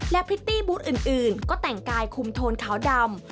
พริตตี้บูธอื่นก็แต่งกายคุมโทนขาวดำ